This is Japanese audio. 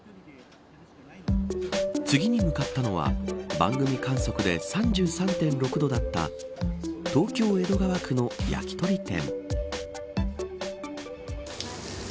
次に向かったのは番組観測で３３．６度だった東京、江戸川区の焼き鳥店。